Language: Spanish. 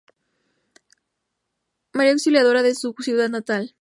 María Auxiliadora de su ciudad natal.